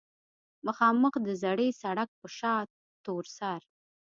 مخامخ د زړې سړک پۀ شا تورسر